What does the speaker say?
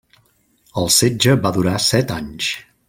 El setge va durar set anys.